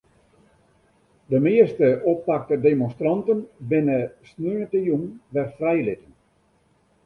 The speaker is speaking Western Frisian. De measte oppakte demonstranten binne sneontejûn wer frijlitten.